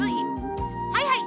はいはい。